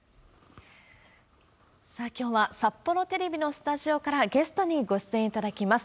さあ、きょうは札幌テレビのスタジオから、ゲストにご出演いただきます。